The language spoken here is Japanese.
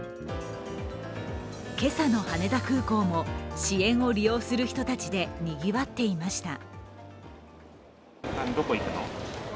今朝の羽田空港も支援を利用する人たちでにぎわっていました。